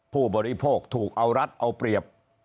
ผู้บริโภคถูกเอารัฐเอาเปรียบ